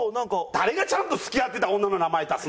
誰がちゃんと付き合ってた女の名前出すねん！